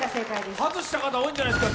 外した方多いんじゃないですか？